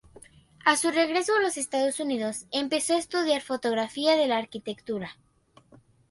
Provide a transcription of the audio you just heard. A su regreso a los Estados Unidos, empezó a estudiar fotografía de la arquitectura.